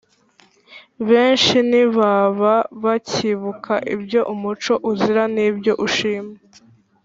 benshi ntibaba bakibuka ibyo umuco uzira n’ibyo ushima.